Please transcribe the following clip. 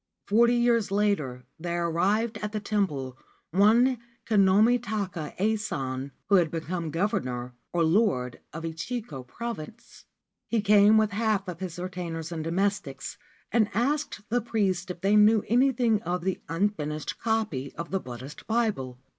Forty years later there arrived at the temple one Kinomi ta ka Ason, who had become Governor or Lord of Echigo Province. He came with half of his retainers and domestics, and asked the priests if they knew any thing of the unfinished copy of the Buddhist Bible.